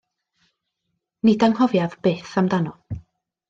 Nid anghofiaf byth amdano.